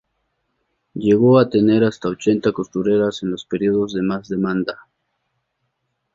Llegó a tener hasta ochenta costureras en los periodos de más demanda.